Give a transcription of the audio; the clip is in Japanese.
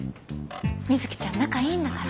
水木ちゃん仲いいんだから。